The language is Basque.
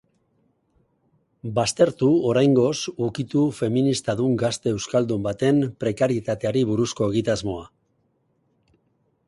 Baztertu, oraingoz, ukitu feministadun gazte euskaldun baten prekarietateari buruzko egitasmoa.